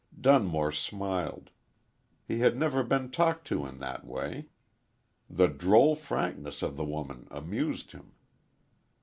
Dunmore smiled. He had never been talked to in that way. The droll frankness of the woman amused him.